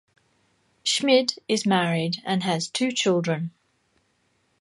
Schmidt is married and has two children.